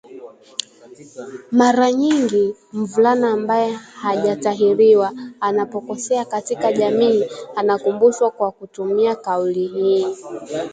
Mara nyingi mvulana ambaye hajatahiriwa anapokosea katika jamii anakumbushwa kwa kutumia kauli hii